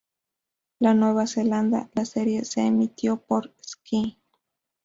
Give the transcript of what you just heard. En Nueva Zelanda, la serie se emitió por Sky.